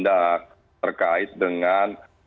jadi sesuai dengan ketentuan